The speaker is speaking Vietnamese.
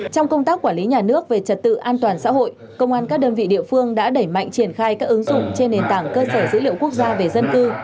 trong công tác quản lý nhà nước về trật tự an toàn xã hội công an các đơn vị địa phương đã đẩy mạnh triển khai các ứng dụng trên nền tảng cơ sở dữ liệu quốc gia về dân cư